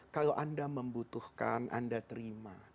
kalau anda membutuhkan anda terima